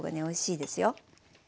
おいしいですよ。